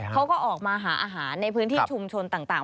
เขาก็ออกมาหาอาหารในพื้นที่ชุมชนต่าง